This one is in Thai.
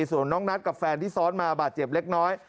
ส่วนน้องนัทกับแฟนที่ซ้อนมาบาดเจ็บเล็กน้อย